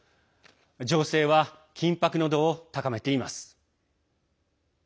情勢は緊迫の度を高めています。